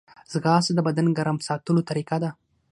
ځغاسته د بدن ګرم ساتلو طریقه ده